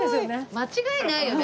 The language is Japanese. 間違いないよね。